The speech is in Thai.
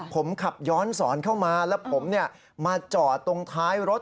ผมขับย้อนสอนเข้ามาแล้วผมมาจอดตรงท้ายรถ